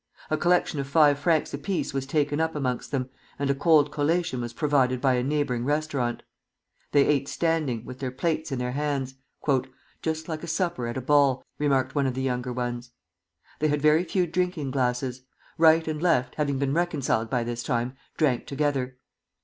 A collection of five francs apiece was taken up amongst them, and a cold collation was provided by a neighboring restaurant. They ate standing, with their plates in their hands. "Just like a supper at a ball," remarked one of the younger ones. They had very few drinking glasses. Right and Left, having been reconciled by this time, drank together.